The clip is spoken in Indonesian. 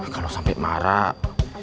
kalau sampai marah